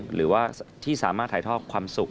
หรือว่าที่สามารถถ่ายทอดความสุข